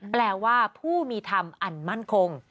แปลว่าผู้มีธรรมอันมั่นคง